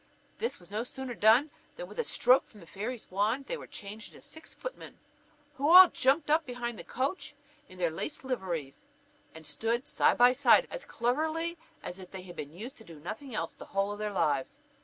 This was no sooner done, than with a stroke from the fairy's wand they were changed into six footmen, who all jumped up behind the coach in their laced liveries, and stood side by side as cleverly as if they had been used to nothing else the whole of their lives.